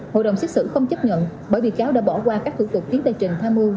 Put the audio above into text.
hội đồng xét xử không chấp nhận bởi bị cáo đã bỏ qua các thủ tục tiến tay trình tham mưu